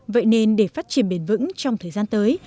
vậy nên để phát triển bền vững trong thời gian tới